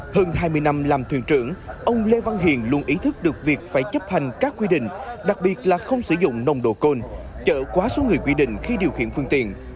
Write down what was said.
hơn hai mươi năm làm thuyền trưởng ông lê văn hiền luôn ý thức được việc phải chấp hành các quy định đặc biệt là không sử dụng nồng độ cồn chở quá số người quy định khi điều khiển phương tiện